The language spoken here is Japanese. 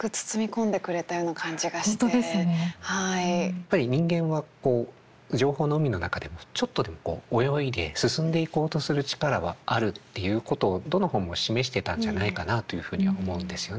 やっぱり人間は情報の海の中でもちょっとでもこう泳いで進んでいこうとする力はあるっていうことをどの本も示していたんじゃないかなあというふうには思うんですよね。